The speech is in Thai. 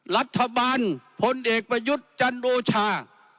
รัฐบาลพลเอกไปยุดจันทรูชา